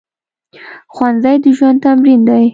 ښوونځی د ژوند تمرین دی